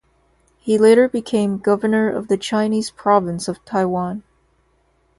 He later became governor of the Chinese province of Taiwan.